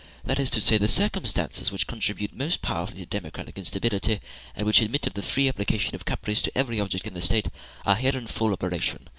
That is to say, the circumstances which contribute most powerfully to democratic instability, and which admit of the free application of caprice to every object in the State, are here in full operation.